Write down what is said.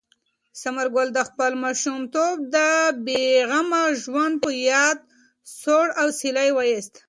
ثمر ګل د خپل ماشومتوب د بې غمه ژوند په یاد سوړ اسویلی وایست.